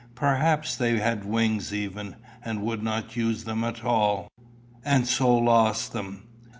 Perhaps they had wings even, and would not use them at all, and so lost them.